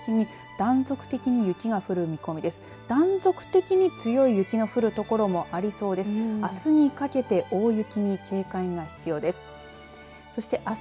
断続的に強い雪が降る所もありそうです。